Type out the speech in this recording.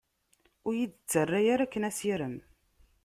Ur yi-d-ttarra ara akken asirem.